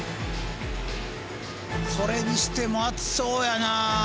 それにしても熱そうやな。